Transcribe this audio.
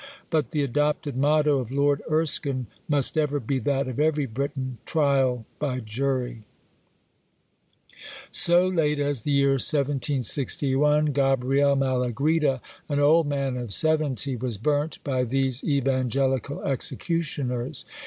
But the adopted motto of Lord Erskine must ever be that of every Briton, "Trial by Jury." So late as the year 1761, Gabriel Malagrida, an old man of seventy, was burnt by these evangelical executioners.